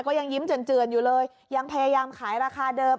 ก็ยังยิ้มเจือนอยู่เลยยังพยายามขายราคาเดิม